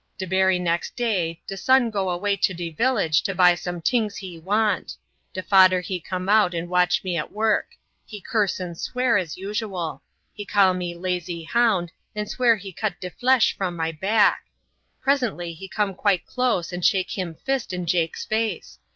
De bery next day de son go away to de village to buy some tings he want. De fader he come out and watch me at work; he curse and swear as usual; he call me lazy hound and swear he cut de flesh from my back; presently he come quite close and shake him fist in Jake's face.